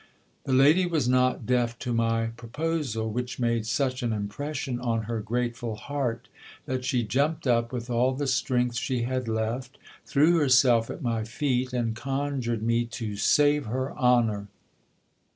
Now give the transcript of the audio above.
The lady was not deaf to my pro posal, which made such an impression on her grateful heart that she jumped up with all the strength she had left, threw herself at my feet, and conjured me to save her honour.